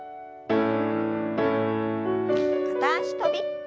片脚跳び。